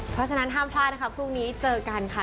เพราะฉะนั้นห้ามพลาดนะคะพรุ่งนี้เจอกันค่ะ